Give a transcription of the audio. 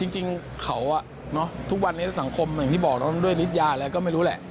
จริงเขาทุกวันนี้สังคมอย่างที่บอกด้วยนิดยาอะไรก็ไม่รู้แหละ